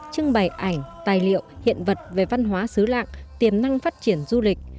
trưng bày ảnh tài liệu hiện vật về văn hóa xứ lạng tiềm năng phát triển du lịch